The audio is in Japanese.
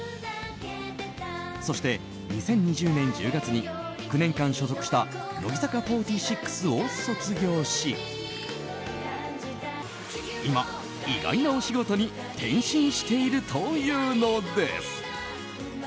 そして、２０２０年１０月に９年間所属した乃木坂４６を卒業し今、意外なお仕事に転身しているというのです。